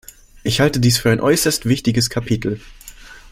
Ich halte dies für ein äußerst wichtiges Kapitel.